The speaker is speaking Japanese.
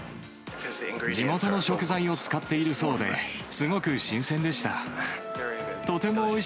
地元の食材を使っているそうで、すごく新鮮でした。